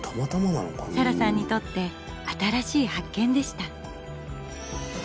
サラさんにとって新しい発見でした。